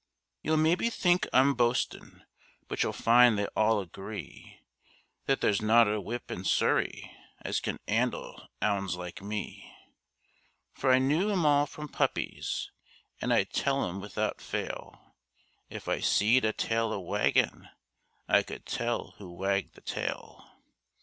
You'll maybe think I'm boastin', but you'll find they all agree That there's not a whip in Surrey as can 'andle 'ounds like me; For I knew 'em all from puppies, and I'd tell 'em without fail— If I seed a tail a waggin', I could tell who wagged the tail.